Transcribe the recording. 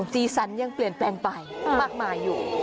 สีสันยังเปลี่ยนแปลงไปมากมายอยู่